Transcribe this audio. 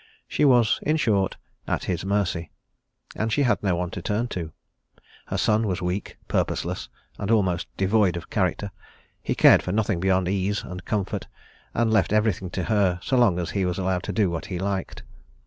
She was, in short, at his mercy. And she had no one to turn to. Her son was weak, purposeless, almost devoid of character; he cared for nothing beyond ease and comfort, and left everything to her so long as he was allowed to do what he liked.